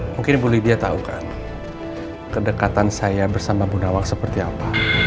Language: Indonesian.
mungkin boleh dia tahu kan kedekatan saya bersama bu nawak seperti apa